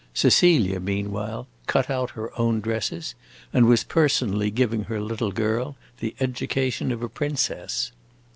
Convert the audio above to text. Cecilia, meanwhile, cut out her own dresses, and was personally giving her little girl the education of a princess.